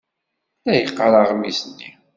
La yeqqar aɣmis-nni.